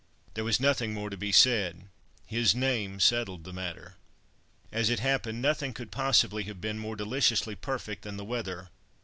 There was nothing more to be said. His name settled the matter. As it happened, nothing could possibly have been more deliciously perfect than the weather.